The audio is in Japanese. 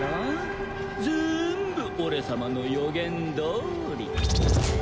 ぜーんぶ俺様の予言どおり。